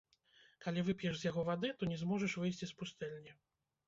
Калі вып'еш з яго вады, то не зможаш выйсці з пустэльні.